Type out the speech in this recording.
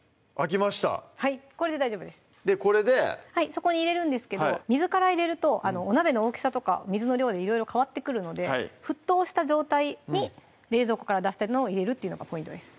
そこに入れるんですけど水から入れるとお鍋の大きさとか水の量でいろいろ変わってくるので沸騰した状態に冷蔵庫から出したのを入れるっていうのがポイントです